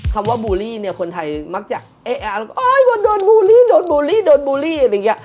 คำว่าบูรีคนไทยมักจะแอะเอาล่ะก็โอ๊ยว่าโดนบูรีโดนบูรี